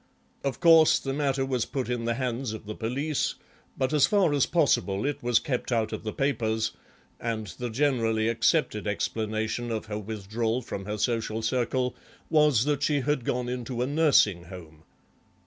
Of course the matter was put in the hands of the police, but as far as possible it was kept out of the papers, and the generally accepted explanation of her withdrawal from her social circle was that she had gone into a nursing home."